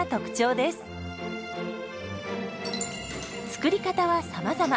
作り方はさまざま。